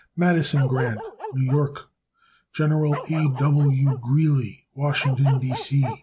Madison Grant, New York. Gen. A. W. Greely, Washington, D. C.